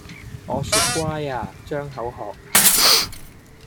我說乖呀！張口喝呀